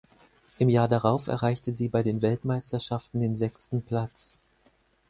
Im Jahr darauf erreichte sie bei den Weltmeisterschaften den sechsten Platz.